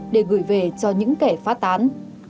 để gửi về cho những kẻ phát tán